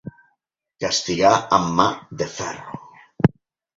Castigar amb mà de ferro.